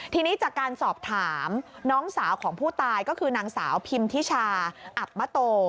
ทีนี้จากการสอบถามน้องสาวของผู้ตายก็คือนางสาวพิมทิชาอับมะโต